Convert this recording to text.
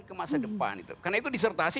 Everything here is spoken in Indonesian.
ke masa depan itu karena itu disertasi